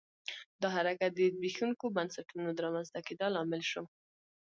دا حرکت د زبېښونکو بنسټونو د رامنځته کېدا لامل شو.